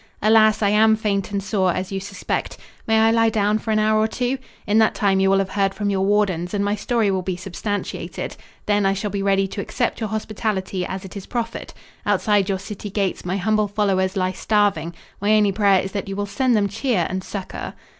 "Alas, I am faint and sore, as you suspect. May I lie down for an hour or two? In that time you will have heard from your wardens and my story will be substantiated. Then I shall be ready to accept your hospitality as it is proffered. Outside your city gates my humble followers lie starving. My only prayer is that you will send them cheer and succor."